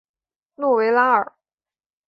诺维拉尔。